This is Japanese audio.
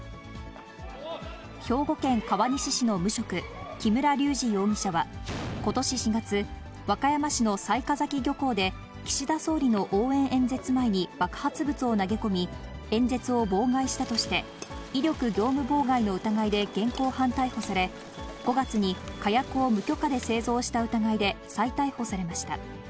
兵庫県川西市の無職、木村隆二容疑者は、ことし４月、和歌山市の雑賀崎漁港で岸田総理の応援演説前に爆発物を投げ込み、演説を妨害したとして、威力業務妨害の疑いで現行犯逮捕され、５月に火薬を無許可で製造した疑いで再逮捕されました。